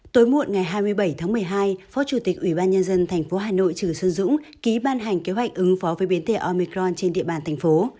tối muộn ngày hai mươi bảy tháng một mươi hai phó chủ tịch ubnd tp hà nội trừ xuân dũng ký ban hành kế hoạch ứng phó với biến thể omicron trên địa bàn thành phố